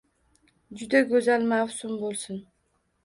Juda go‘zal mavsum bo‘lsin.